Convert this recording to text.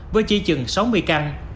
với chi chừng sáu mươi căn